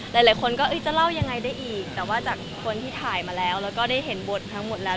หลายคนก็จะเล่ายังไงได้อีกแต่ว่าจากคนที่ถ่ายมาแล้วแล้วก็ได้เห็นบททั้งหมดแล้ว